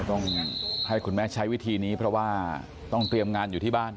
ต้องให้คุณแม่ใช้วิธีนี้เพราะว่าต้องเตรียมงานอยู่ที่บ้าน